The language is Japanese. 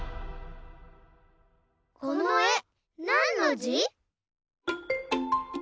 このえなんのじ？